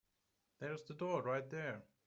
There's the door right there.